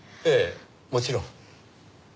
ええもちろん。